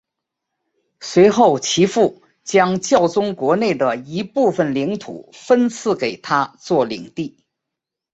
随后其父将教宗国内的一部份领土分赐给他做领地。